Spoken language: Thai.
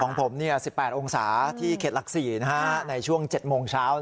ของผม๑๘องศาที่เขตหลัก๔ในช่วง๗โมงเช้า